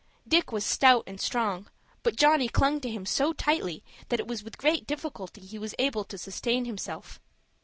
Dick was stout and strong, but Johnny clung to him so tightly, that it was with great difficulty he was able to sustain himself.